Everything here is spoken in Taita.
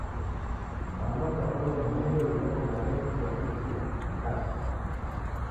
Mwana ukavalwa umweri uneko marina ichia na ichia ni karakara.